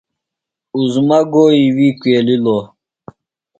عظمیٰ گوئی وی کُویلِلوۡ؟